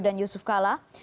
dan yusuf kala